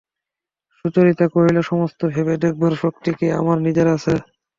সুচরিতা কহিল, সমস্ত ভেবে দেখবার শক্তি কি আমার নিজের আছে?